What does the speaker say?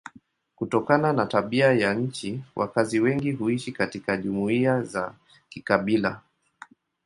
Kutokana na tabia ya nchi wakazi wengi huishi katika jumuiya za kikabila.